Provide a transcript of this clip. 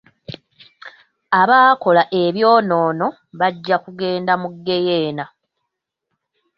Abaakola ebyonoono bajja kugenda mu geyena.